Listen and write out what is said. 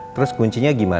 terus kuncinya gimana